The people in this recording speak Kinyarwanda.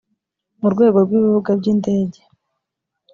mu rwego rw ibibuga by indege